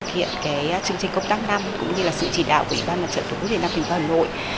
hiện cái chương trình công tác năm cũng như là sự chỉ đạo của ủy ban mặt trận tổ quốc hà nội